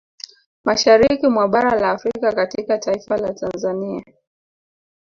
Mashariki mwa bara la Afrika katika taifa la Tanzania